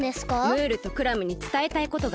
ムールとクラムにつたえたいことがあってな。